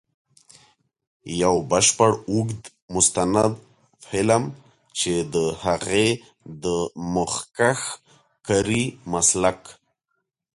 یو بشپړ اوږد مستند فلم، چې د هغې د مخکښ کاري مسلک.